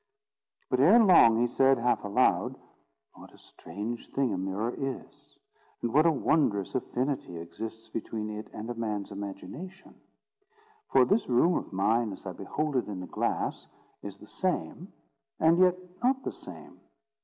But ere long he said, half aloud: "What a strange thing a mirror is! and what a wondrous affinity exists between it and a man's imagination! For this room of mine, as I behold it in the glass, is the same, and yet not the same.